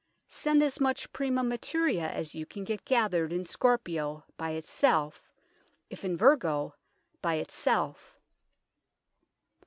... Send as much prima materia as you can get gathered in Scorpio, by itself ; if in Virgo, by itself."